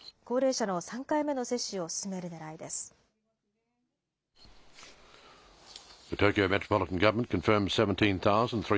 高齢者の３回目の接種を進めるねらいです。